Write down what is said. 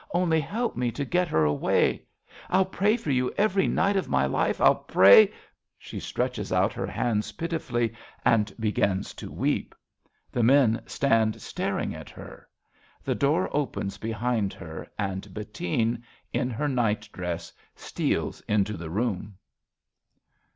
Only help me to get her away ! I'll pray for you every night of my life. I'll pray. ... (She stretches out her hands pitifully and begins to tceep. The men stand 36 A BELGIAN CHRISTMAS EVE staring at her. The door opens behind hei', and Bettine, in her night dress, steals into the room.)